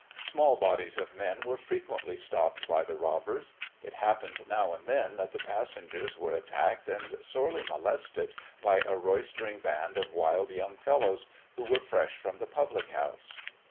Small bodies of men were frequently stopped by the robbers; it happened now and then that the passengers were attacked and sorely molested by a roistering band of wild young fellows, who were fresh from the public house.